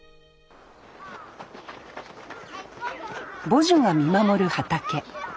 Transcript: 母樹が見守る畑。